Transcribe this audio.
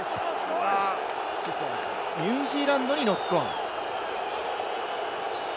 ニュージーランドにノックオン。